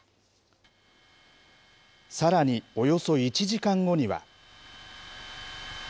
さらにおよそ１時間後には。